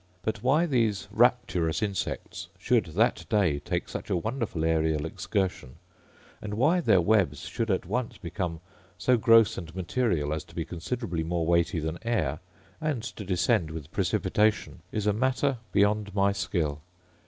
But why these rapturous insects should that day take such a wonderful aerial excursion, and why their webs should at once become so gross and material as to be considerably more weighty than air, and to descend with precipitation, is a matter beyond my skill.